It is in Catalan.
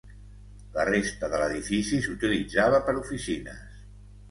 La resta de l'edifici s'utilitzava per oficines.